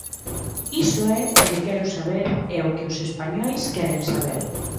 Iso é o que quero saber e o que os españois queren saber.